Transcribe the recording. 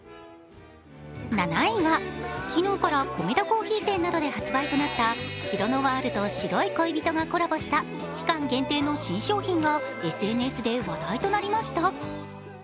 ７位は昨日からコメダ珈琲店で発売となったシロノワールと白い恋人がコラボした期間限定の新商品がＳＮＳで話題となりました。